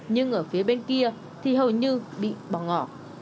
nhưng ở phía bên kia thì hầu như bị bỏ ngỏ